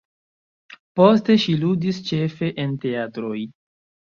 Poste ŝi ludis ĉefe en teatroj.